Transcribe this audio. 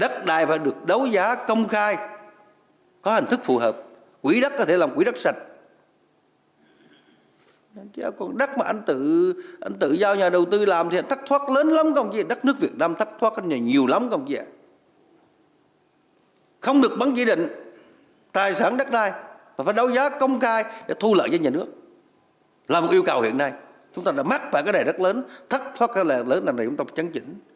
chúng ta đã mắc vào cái này rất lớn thất thoát rất là lớn lần này cũng trong trang trình